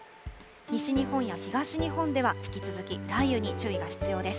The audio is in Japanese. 西日本や東日本では、引き続き雷雨に注意が必要です。